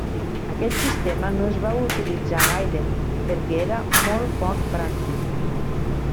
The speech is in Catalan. Aquest sistema no es va utilitzar gaire perquè era molt poc pràctic.